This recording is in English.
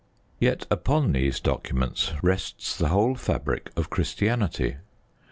Yet upon these documents rests the whole fabric of Christianity.